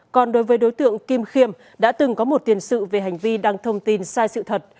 còn đối với đối tượng kim khiêm đã từng có một tiền sự về hành vi đăng thông tin sai sự thật